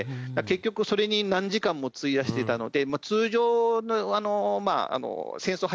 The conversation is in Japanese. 結局それに何時間も費やしていたので通常の戦争始まる前の状況でもね